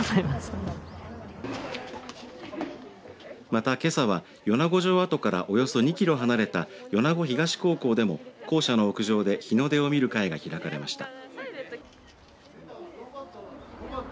また、けさは米子城跡からおよそ２キロ離れた米子東高校でも校舎の屋上で日の出を見る会が開かれました。